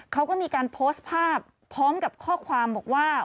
เขาก็มีการโพสต์ภาพพร้อมกับข้อความบอกว่า